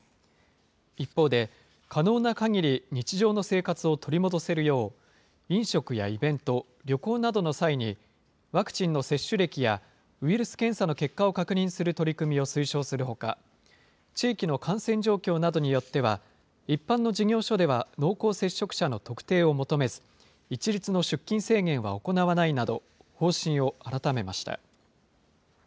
一方で、可能なかぎり日常の生活を取り戻せるよう、飲食やイベント、旅行などの際に、ワクチンの接種歴やウイルス検査の結果を確認する取り組みを推奨するほか、地域の感染状況などによっては、一般の事業所では濃厚接触者の特定を求めず、一律の出勤制限は行わないなど、方針を改めました。